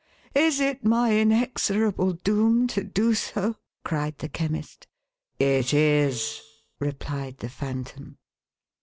"Is it my inexorable doom to do so?" cried the Chemist. " It is," replied the Phantom.